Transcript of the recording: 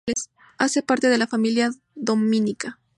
Hacen parte de la familia dominica.